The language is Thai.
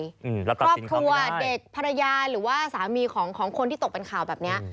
ครอบครัวเด็กภรรยาหรือว่าสามีของคนที่ตกเป็นข่าวแบบนี้